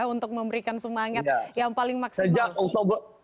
untuk memberikan semangat yang paling maksimal